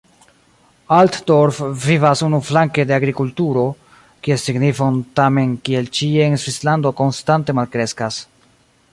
Altdorf vivas unuflanke de agrikulturo, kies signifon tamen kiel ĉie en Svislando konstante malkreskas.